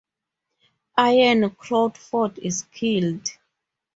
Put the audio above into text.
Ian Crawford is killed.